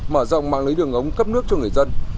mở rộng mạng lưới đường ống cấp nước cho người dân